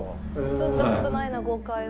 住んだことないな５階は。